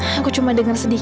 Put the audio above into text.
aku cuma dengar sedikit